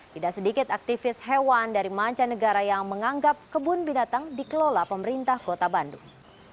tidak sedikit aktivis hewan dari mancanegara yang menganggap kebun binatang dikelola pemerintah kota bandung